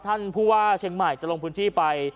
ท่านผู้ว่าเชียงใหม่จะลงพื้นที่ไป